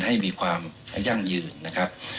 ให้มีความยั่งยืนนะครับ